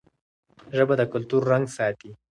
ژبه د کلتور رنګ ساتي.